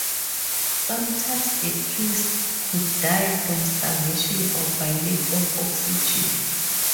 Sometimes a priest could die from starvation or by lack of oxygen.